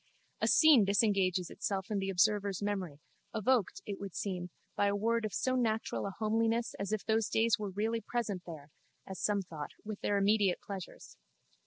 A scene disengages itself in the observer's memory, evoked, it would seem, by a word of so natural a homeliness as if those days were really present there (as some thought) with their immediate pleasures.